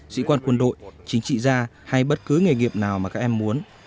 sĩ quan quân đội chính trị gia hay bất cứ nghề nghiệp nào mà các em muốn